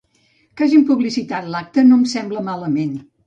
Que hagin publicitat l’acte no em sembla malament.